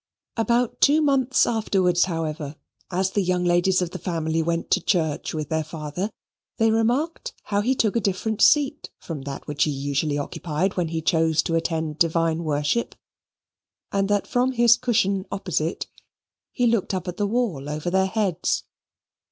About two months afterwards, however, as the young ladies of the family went to church with their father, they remarked how he took a different seat from that which he usually occupied when he chose to attend divine worship; and that from his cushion opposite, he looked up at the wall over their heads.